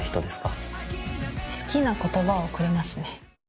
好きな言葉をくれますね。